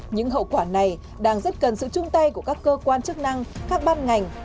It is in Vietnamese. những hậu quả này đang rất cần sự chung tay của các cơ quan chức năng các ban ngành